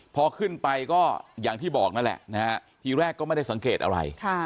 พอขึ้นไปก็อย่างที่บอกนั่นแหละนะฮะทีแรกก็ไม่ได้สังเกตอะไร